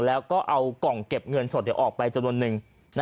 แล้วก็เอากล่องเก็บเงินสดออกไปจำนวนนึง